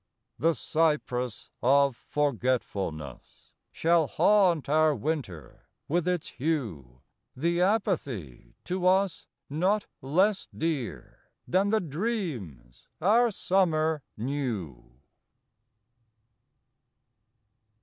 The cypress of forgetfulness Shall haunt our winter with its hue; The apathy to us not less Dear than the dreams our summer knew.